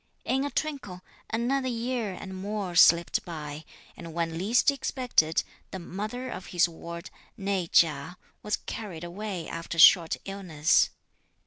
In a twinkle, another year and more slipped by, and when least expected, the mother of his ward, née Chia, was carried away after a short illness.